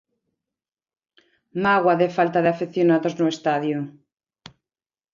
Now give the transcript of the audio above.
Mágoa de falta de afeccionados no estadio.